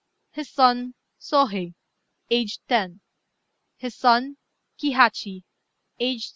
"His son, Sôhei, aged 10. "His son, Kihachi, aged 7."